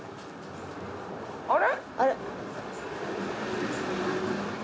あれ？